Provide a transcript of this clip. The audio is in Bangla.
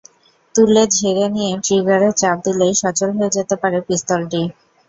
তুলে, ঝেড়ে নিয়ে ট্রিগারে চাপ দিলেই সচল হয়ে যেতে পারে পিস্তলটি।